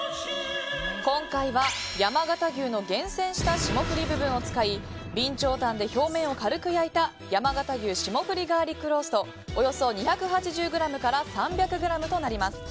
今回は山形牛の厳選した霜降り部分を使い備長炭で表面を軽く焼いた山形牛霜降りガーリックローストおよそ２８０ｇから３００ｇとなります。